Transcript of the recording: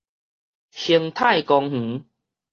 興泰公園